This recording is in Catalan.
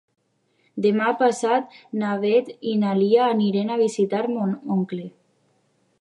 Demà passat na Beth i na Lia aniran a visitar mon oncle.